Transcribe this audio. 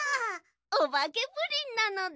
おばけプリンなのだ。